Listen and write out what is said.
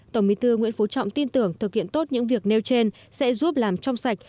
tổng bí thư nguyễn phú trọng tin tưởng thực hiện tốt những việc nêu trên sẽ giúp làm trong sạch